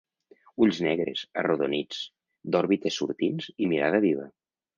Ulls negres, arrodonits, d'òrbites sortints i mirada viva.